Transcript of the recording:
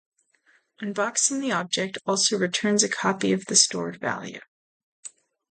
Unboxing the object also returns a copy of the stored value.